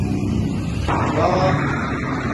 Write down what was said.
بݳ